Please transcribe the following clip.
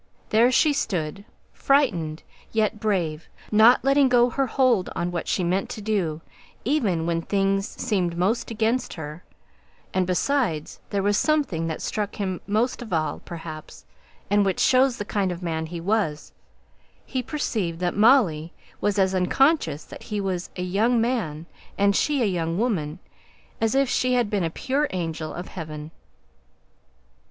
There she stood, frightened, yet brave, not letting go her hold on what she meant to do, even when things seemed most against her; and besides, there was something that struck him most of all perhaps, and which shows the kind of man he was he perceived that Molly was as unconscious that he was a young man, and she a young woman, as if she had been a pure angel of heaven.